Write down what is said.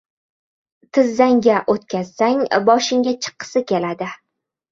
• Tizzangga o‘tkazsang, boshingga chiqqisi keladi.